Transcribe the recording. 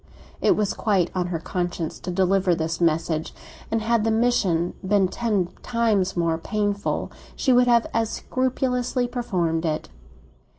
It was quite on her conscience to deliver this message, and had the mission been ten times more painful she would have as scrupulously performed it.